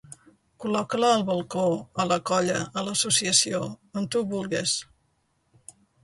Col·loca-la al balcó, a la colla, a l’associació…, on tu vulgues!